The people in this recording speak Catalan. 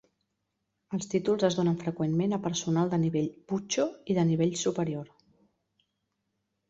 Els títols es donen freqüentment a personal de nivell "Bucho" i de nivell superior.